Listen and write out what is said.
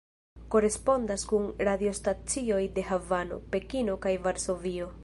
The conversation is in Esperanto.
Korespondas kun radiostacioj de Havano, Pekino, kaj Varsovio.